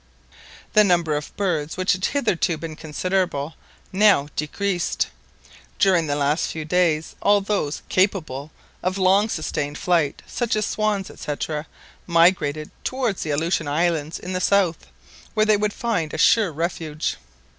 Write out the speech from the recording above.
The number of birds, which had hitherto been considerable, now decreased. During the last few days all those capable of long sustained flight—such as swans, &c, migrated towards the Aleutian Islands in the south, where they would find a sure refuge.